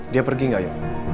dia pergi nggak ya